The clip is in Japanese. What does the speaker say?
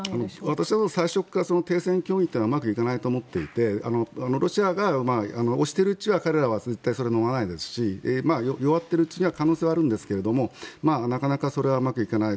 私は最初から停戦協議はうまくいかないと思っていてロシアが押しているうちは彼らは絶対それをのまないですし弱っているうちには可能性はあるんですがなかなかそれはうまくいかない。